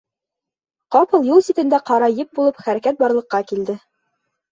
Ҡапыл юл ситендә ҡара еп булып хәрәкәт барлыҡҡа килде.